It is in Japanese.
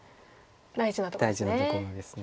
大事なところですね。